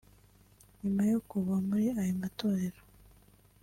nyuma yo kuva muri ayo matorero